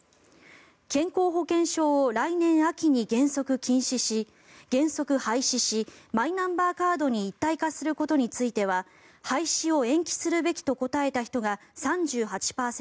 健康保険証を来年秋に原則廃止しマイナンバーカードに一体化することについては廃止を延期するべきと答えた人が３８％